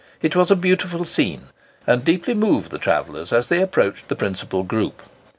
It was a beautiful scene, and deeply moved the travellers as they approached the principal group.